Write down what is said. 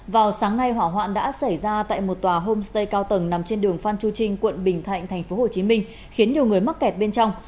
vào sáng nay hỏa hoạn đã xảy ra tại một tòa homestay cao tầng nằm trên đường phan chu trinh quận bình thạnh tp hcm khiến nhiều người mắc kẹt bên trong